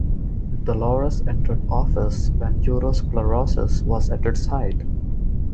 Delors entered office when eurosclerosis was at its height.